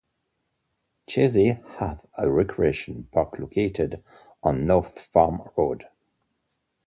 Chazy has a recreation park located on North Farm Road.